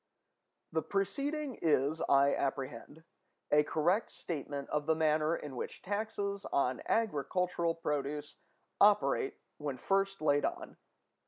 The preceding is, I apprehend, a correct statement of the manner in which taxes on agricultural produce operate when first laid on.